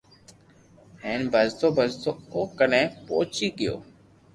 ھين ڀجتو ڀجتو او ڪني پوچو گيو